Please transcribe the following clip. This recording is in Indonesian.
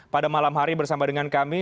pada malam hari bersama dengan kami